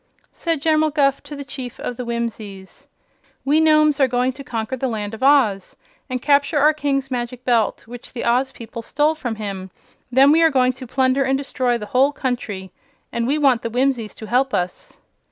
Said General Guph to the Chief of the Whimsies: "We Nomes are going to conquer the Land of Oz and capture our King's Magic Belt, which the Oz people stole from him. Then we are going to plunder and destroy the whole country. And we want the Whimsies to help us."